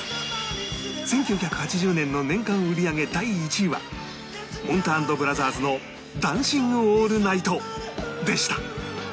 １９８０年の年間売り上げ第１位はもんた＆ブラザーズの『ダンシング・オールナイト』でした